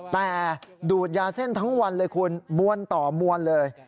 แต่ดูดยาเส้นทั้งวันเลยคุณมวลต่อมวลเลย